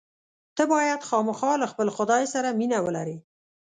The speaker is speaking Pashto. ته باید خامخا له خپل خدای سره مینه ولرې.